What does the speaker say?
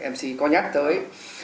mc có nhắc tới